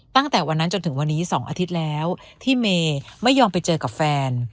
ตั้งแต่วันนั้นจนถึงวันนี้๒อาทิตย์แล้วที่เมย์ไม่ยอมไปเจอกับแฟน